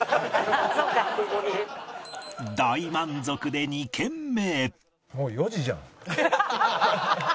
大満足で２軒目へ